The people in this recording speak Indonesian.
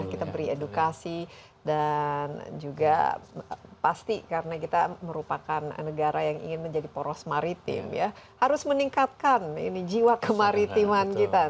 kita beri edukasi dan juga pasti karena kita merupakan negara yang ingin menjadi poros maritim ya harus meningkatkan jiwa kemaritiman kita